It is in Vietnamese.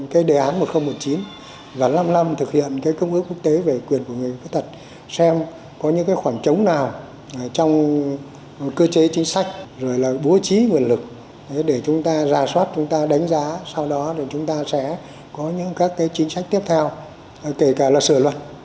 cái đề án một nghìn một mươi chín và năm năm thực hiện cái công ước quốc tế về quyền của người khuyết tật xem có những cái khoảng trống nào trong cơ chế chính sách rồi là bố trí nguồn lực để chúng ta ra soát chúng ta đánh giá sau đó để chúng ta sẽ có những các cái chính sách tiếp theo kể cả là sửa luật